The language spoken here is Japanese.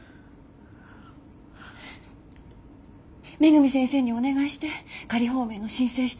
恵先生にお願いして仮放免の申請してる。